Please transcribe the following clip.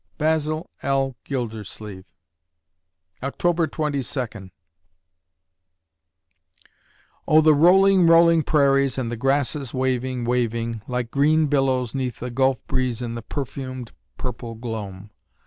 BASIL L. GILDERSLEEVE October Twenty Second Oh, the rolling, rolling prairies, and the grasses waving, waving Like green billows 'neath the gulf breeze in the perfumed purple gloam!